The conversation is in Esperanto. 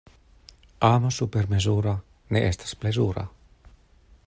Amo supermezura ne estas plezura.